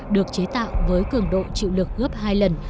được chế tạo với cường độ chịu lực gấp hai lần